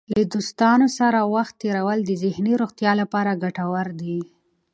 له دوستانو سره وخت تېرول د ذهني روغتیا لپاره ګټور دی.